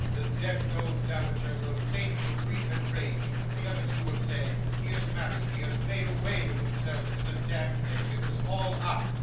The demd old dowager will faint with grief and rage; the other two will say "He is married, he has made away with himself, it is a demd thing, it is all up!"